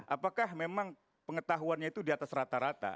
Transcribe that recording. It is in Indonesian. apakah memang pengetahuannya itu di atas rata rata